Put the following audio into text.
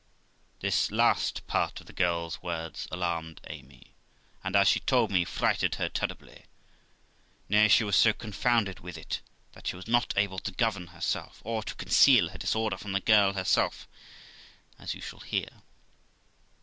This last part of the girl's words alarmed Amy, and, as she told me, frighted her terribly; nay, she was so confounded with it, that she was not able to govern herself, or to conceal her disorder from the girl herself, as you shall hear.